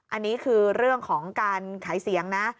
อันนี้คือเรื่องของการขายเสียงนะ